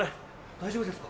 大丈夫ですか？